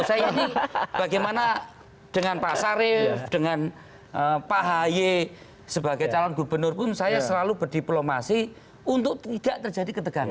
saya ini bagaimana dengan pak sarif dengan pak haye sebagai calon gubernur pun saya selalu berdiplomasi untuk tidak terjadi ketegangan